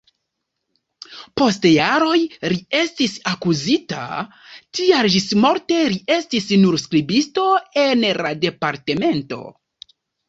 Post jaroj li estis akuzita, tial ĝismorte li estis nur skribisto en la departemento.